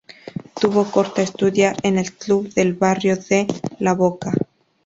Tuvo corta estadía en el club del barrio de La Boca.